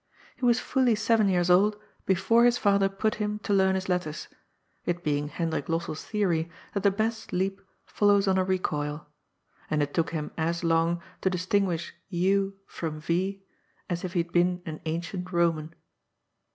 He was fully seven years old before his father put him to learn his letters — it being Hendrik Lossell's theory that the best leap follows on a recoil — and it took him as long to distinguish U from Y as if he had been an ancient Boman.